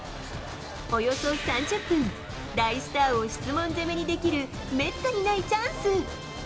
およそ３０分、大スターを質問攻めにできる、めったにないチャンス。